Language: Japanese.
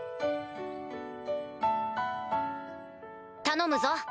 頼むぞ。